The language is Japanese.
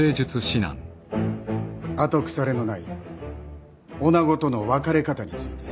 後腐れのない女子との別れ方について。